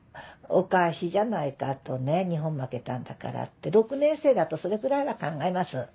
お返しじゃないかとね日本負けたんだからって６年生だとそれぐらいは考えます。